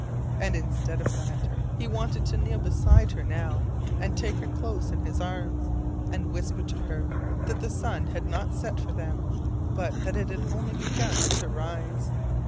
And instead of that he wanted to kneel beside her now and take her close in his arms, and whisper to her that the sun had not set for them, but that it had only begun to rise.